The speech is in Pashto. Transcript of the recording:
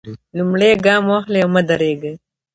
لومړی ګام واخلئ او مه درېږئ.